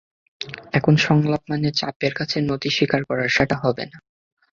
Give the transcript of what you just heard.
এখন সংলাপ মানে চাপের কাছে নতি স্বীকার করা, সেটা হবে না।